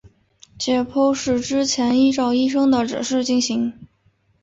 解剖是之前依照医生的指示进行。